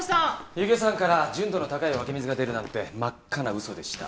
弓削山から純度の高い湧き水が出るなんて真っ赤な嘘でした。